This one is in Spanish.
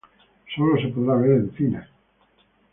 Solo se podrá ver en cines.